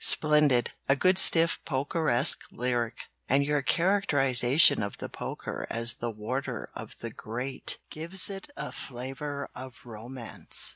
"Splendid! A good stiff pokeresque lyric, and your characterization of the poker as the 'Warder of the Grate' gives it a flavor of romance.